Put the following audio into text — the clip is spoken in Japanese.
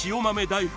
大福